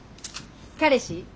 彼氏？